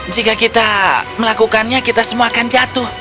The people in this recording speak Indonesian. jika kita melakukannya kita semua akan jatuh